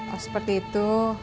oh seperti itu